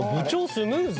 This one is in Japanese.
スムーズ。